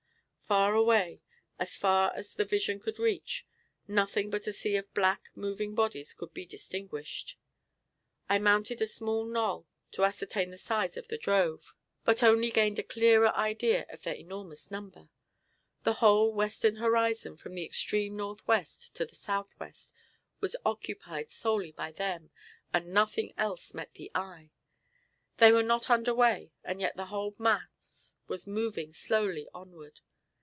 Far away, as far as the vision could reach, nothing but a sea of black moving bodies could be distinguished. I mounted a small knoll to ascertain the size of the drove; but only gained a clearer idea of their enormous number. The whole western horizon, from the extreme northwest to the southwest, was occupied solely by them, and nothing else met the eye. They were not under way, and yet the whole mass was moving slowly onward.